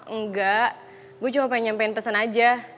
enggak gue cuma pengen nyampein pesan aja